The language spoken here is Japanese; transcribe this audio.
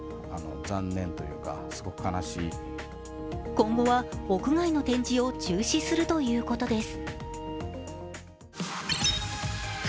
今後は屋外の展示を中止するということです。